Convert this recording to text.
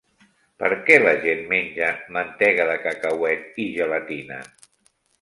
Per què la gent menja mantega de cacauet i gelatina?